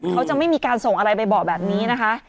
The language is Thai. เขาจะไม่มีการส่งอะไรไปบอกแบบนี้นะคะ